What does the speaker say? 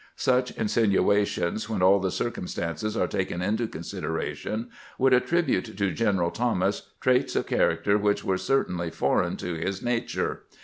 Such insinuations, when all the circumstances are taken into consideration, would attribute to General Thomas traits of character which were certainly foreign to his nature.